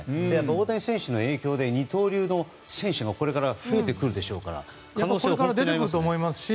大谷選手の影響で二刀流の選手がこれから増えてくるでしょうから可能性は本当にありますね。